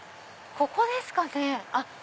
ここですかね。